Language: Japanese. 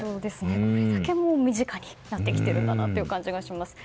これだけ身近になってきているなという感じがします。